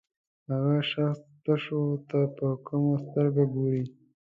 هغه شخص شتو ته په کمه سترګه ګوري.